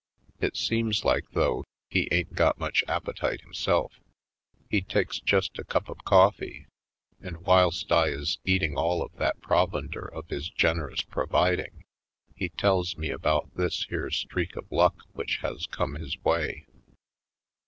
It seems like, though, he ain't got much appetite himself. He takes just a cup of coffee, and whilst I is eating all of that provender of his generous providing^ he tells me about this here streak of luck which has come his way.